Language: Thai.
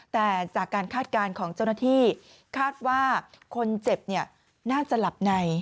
แต่จากการคาดการณ์ของเจ้าหน้าที่คาดว่าคนเจ็บน่าจะหลับใน